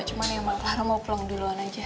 cuman ya mah clara mau pulang duluan aja